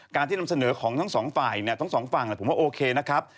การที่นำเสนอของทั้งสองฝั่งผมว่าโอเคนะครับ